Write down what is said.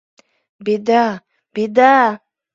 — «Беда», «Беда»!